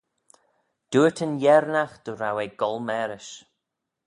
Dooyrt yn Yernagh dy row eh goll marish.